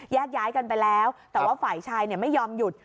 ย้ายกันไปแล้วแต่ว่าฝ่ายชายไม่ยอมหยุด